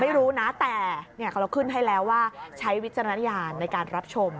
ไม่รู้นะแต่เราขึ้นให้แล้วว่าใช้วิจารณญาณในการรับชม